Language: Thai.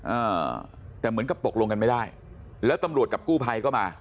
อ่าแต่เหมือนกับตกลงกันไม่ได้แล้วตำรวจกับกู้ภัยก็มา